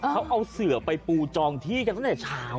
เขาเอาเสือไปปูจองที่กันตั้งแต่เช้า